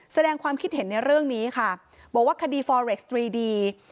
แสดงความคิดเห็นในเรื่องนี้ค่ะบอกว่าคดีฟอเร็กซ์ตรีดี